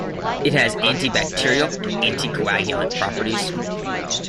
It has antibacterial and anticoagulant properties.